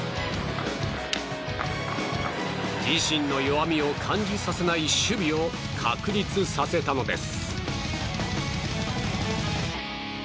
自身の弱みを感じさせない守備を確立させたのです。